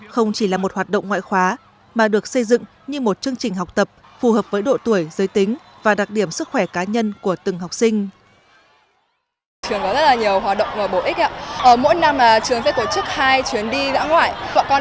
không chỉ là một hoạt động ngoại khóa mà được xây dựng như một chương trình học tập phù hợp với độ tuổi giới tính và đặc điểm sức khỏe cá nhân của từng học sinh